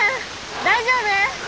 大丈夫？